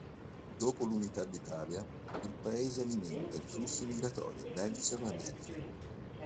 Dopo l'Unità d'Italia, il paese alimenta il flusso migratorio verso le Americhe.